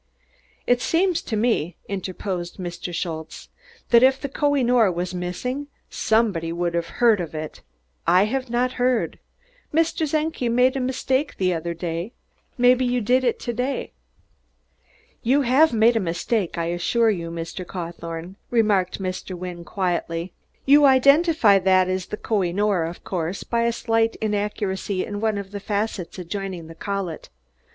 "Id seems to me," interposed Mr. Schultze, "dat if der Koh i noor vas missing somebody would haf heard, ain'd id? I haf nod heard. Mr. Czenki made a misdake der oder day maybe you make id to day?" "You have made a mistake, I assure you, Mr. Cawthorne," remarked Mr. Wynne quietly. "You identify that as the Koh i noor, of course, by a slight inaccuracy in one of the facets adjoining the collet.